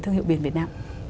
thương hiệu biển việt nam